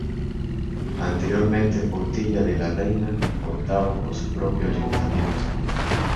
Anteriormente, Portilla de la Reina, contaba con su propio ayuntamiento.